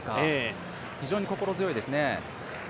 非常に心強いですね。